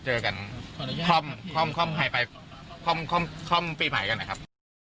เจอกันคล่อมคล่อมคล่อมให้ไปคล่อมคล่อมคล่อมปีใหม่กันนะครับ